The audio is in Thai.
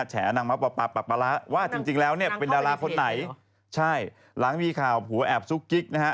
แฉอนางร้ายปราปร้าว่าจริงแล้วเนี่ยเป็นดาราคนไหนใช่หลังมีข่าวผู้ว่าแอบสู้กิ๊กนะฮะ